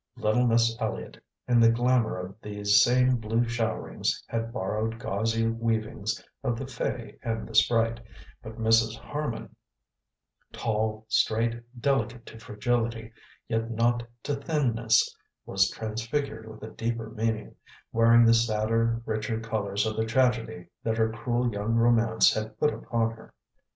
Little Miss Elliott, in the glamour of these same blue showerings, had borrowed gauzy weavings of the fay and the sprite, but Mrs. Harman tall, straight, delicate to fragility, yet not to thinness was transfigured with a deeper meaning, wearing the sadder, richer colours of the tragedy that her cruel young romance had put upon her.